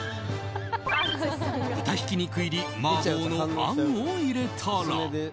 豚ひき肉入り麻婆のあんを入れたら。